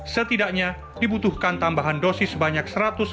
setidaknya dibutuhkan tambahan dosis sebanyak satu ratus empat dua ratus lima puluh dua